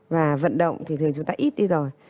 và vận động thì thường chúng ta ít đi rồi